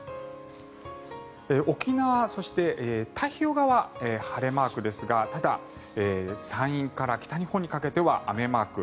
沖縄、そして太平洋側は晴れマークですがただ、山陰から北日本にかけては雨マーク。